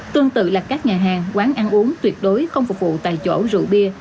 tương tự là các nhà hàng quán ăn uống tuyệt đối không phục vụ tại chỗ rượu bia